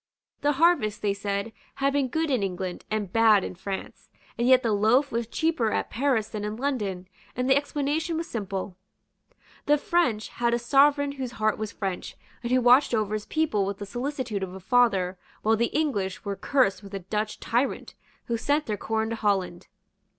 The harvest, they said, had been good in England and bad in France; and yet the loaf was cheaper at Paris than in London; and the explanation was simple. The French had a sovereign whose heart was French, and who watched over his people with the solicitude of a father, while the English were cursed with a Dutch tyrant, who sent their corn to Holland.